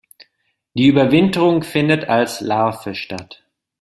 Die Überwinterung findet als Larve statt.